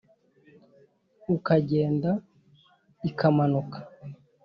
ukagenda ikamanuka.